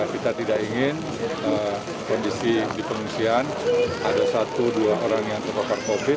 kita tidak ingin kondisi di pengungsian ada satu dua orang yang terpapar covid